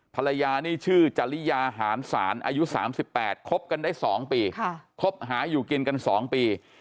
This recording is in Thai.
ภรรยานี่ชื่อจริยาหารศาลอายุ๓๘คบกันได้๒ปีคบหาอยู่กินกัน๒ปี